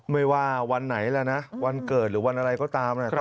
ไม่ว่าวันไหนแล้วนะวันเกิดหรือวันอะไรก็ตามนะครับ